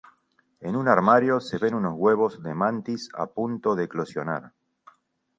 En un armario se ven unos huevos de mantis a punto de eclosionar.